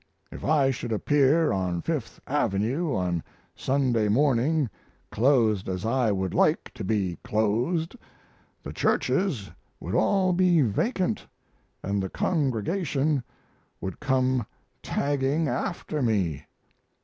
If I should appear on Fifth Avenue on a Sunday morning clothed as I would like to be clothed the churches would all be vacant and the congregation would come tagging after me.